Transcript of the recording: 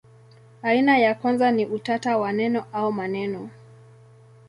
Aina ya kwanza ni utata wa neno au maneno.